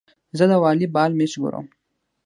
زه د والي بال مېچ ګورم.